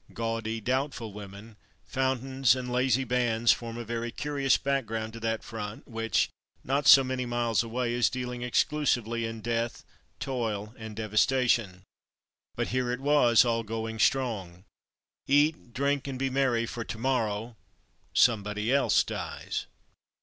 Gaudy, doubtful women, foun tains, and lazy bands form a very curious background to that front which, not so many miles away, is dealing exclusively in death, toil, and devastation. But here it was; all going strong. ''Eat, drink, and be merry, for to morrow'' — some body else dies.